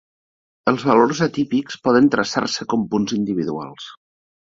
Els valors atípics poden traçar-se com punts individuals.